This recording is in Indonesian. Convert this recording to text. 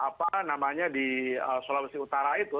apa namanya di sulawesi utara itu